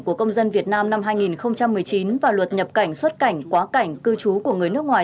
của công dân việt nam năm hai nghìn một mươi chín và luật nhập cảnh xuất cảnh quá cảnh cư trú của người nước ngoài